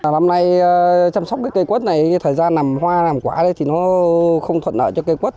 năm nay chăm sóc cây quất này thời gian làm hoa làm quả thì nó không thuận nợ cho cây quất